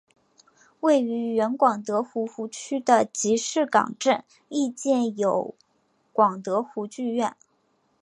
位于原广德湖湖区的集士港镇亦建有广德湖剧院。